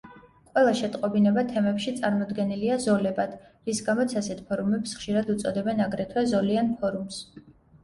ყველა შეტყობინება თემებში წარმოდგენილია ზოლებად, რის გამოც ასეთ ფორუმებს ხშირად უწოდებენ აგრეთვე, ზოლიან ფორუმს.